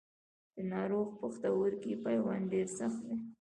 د ناروغ پښتورګي پیوند ډېر سخت دی.